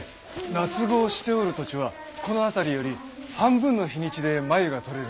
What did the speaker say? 夏蚕をしておる土地はこの辺りより半分の日にちで繭が取れるんです。